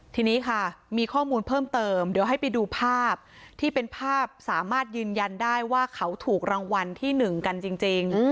ทีนี้ค่ะมีข้อมูลเพิ่มเติมเดี๋ยวให้ไปดูภาพที่เป็นภาพสามารถยืนยันได้ว่าเขาถูกรางวัลที่๑กันจริง